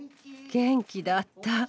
元気だった。